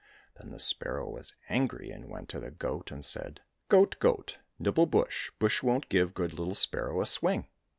Then the sparrow was angry, and went to the goat and said, " Goat, goat, nibble bush, bush won't give good little sparrow a swing."